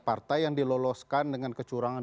partai yang diloloskan dengan kecurangan